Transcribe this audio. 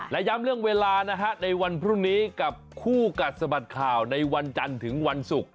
และย้ำเรื่องเวลานะฮะในวันพรุ่งนี้กับคู่กัดสะบัดข่าวในวันจันทร์ถึงวันศุกร์